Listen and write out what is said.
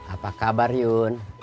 apa kabar yun